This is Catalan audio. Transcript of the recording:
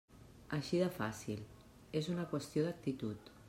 Així de fàcil, és una qüestió d'actitud.